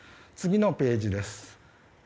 次のページです。